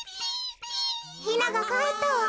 ヒナがかえったわ。